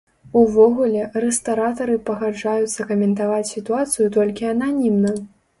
Увогуле, рэстаратары пагаджаюцца каментаваць сітуацыю толькі ананімна.